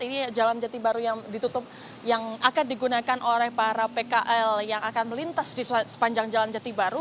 ini jalan jati baru yang ditutup yang akan digunakan oleh para pkl yang akan melintas di sepanjang jalan jati baru